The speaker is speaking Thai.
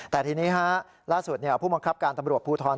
แต่ทีนี้ล่าสุดผู้บังคับการตำรวจภูทร